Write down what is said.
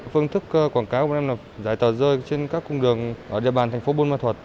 phương thức quảng cáo của em là giải tờ rơi trên các cung đường ở địa bàn thành phố buôn ma thuột